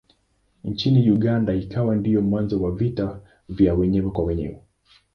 Nchini Uganda ikawa ndiyo mwanzo wa vita vya wenyewe kwa wenyewe.